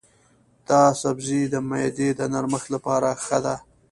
دا سبزی د معدې د نرمښت لپاره ښه دی.